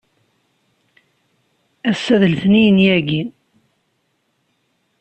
Ass-a d letniyen yagi.